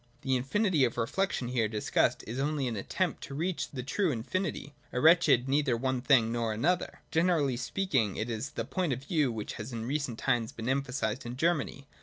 The infinity of reflection here discussed is only an attempt "to reach the true infinity, a wretched neither one thing nor another. Generally speaking, it is the point of view which has in recent times been emphasised in Germany.